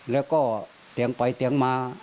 แล้วก็เตียงไปเตียงมา